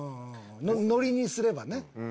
ノリにすればね。